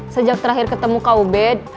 sejak terakhir ketemu kau ubed